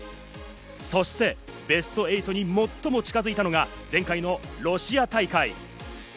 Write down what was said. そしてベスト８に最も近づいたのが、前回のロシア大会。